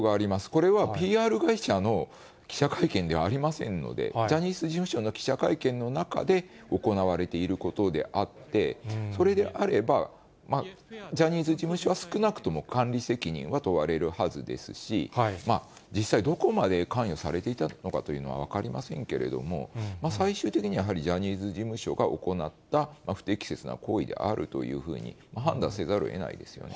これはＰＲ会社の記者会見ではありませんので、ジャニーズ事務所の記者会見の中で行われていることであって、それであれば、ジャニーズ事務所は少なくとも管理責任は問われるはずですし、実際どこまで関与されていたのかというのは分かりませんけれども、最終的にはやはり、ジャニーズ事務所が行った不適切な行為であるというふうに判断せざるをえないですよね。